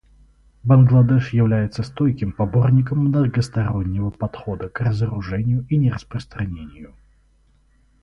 Бангладеш является стойким поборником многостороннего подхода к разоружению и нераспространению.